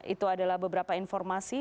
itu adalah beberapa informasi